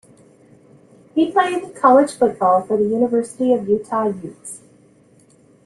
He played college football for the University of Utah Utes.